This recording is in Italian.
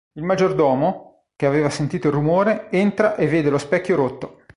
Il maggiordomo, che aveva sentito il rumore, entra e vede lo specchio rotto.